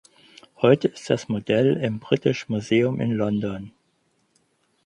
Heute ist das Modell im British Museum in London.